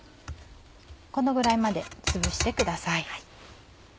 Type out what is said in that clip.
このぐらいまでつぶしてください。